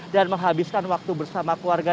dan menghabiskan waktu bersama keluarga